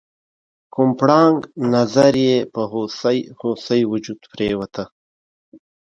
کوم پړانګ نظر یې په هوسۍ هوسۍ وجود پریوته؟